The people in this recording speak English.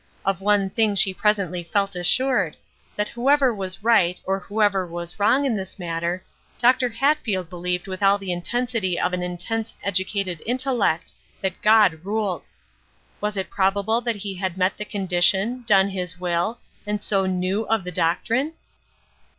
Of one thing she presently felt assured, that whoever was right or whoever was wrong in this matter, Dr. Hatfield believed with all the intensity of an intense educated intellect that God ruled. Was it probable that he had met the condition, done his will, and so knew of the doctrine?